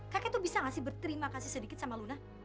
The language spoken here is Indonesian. kakek tuh bisa gak sih berterima kasih sedikit sama luna